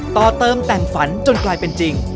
ต่อเติมแต่งฝันจนกลายเป็นจริง